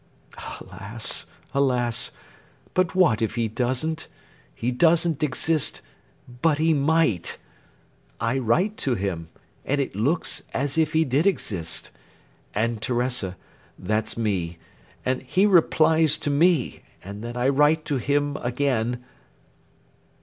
"Alas! alas! But what if he doesn't? He doesn't exist, but he might! I write to him, and it looks as if he did exist. And Teresa that's me, and he replies to me, and then I write to him again..."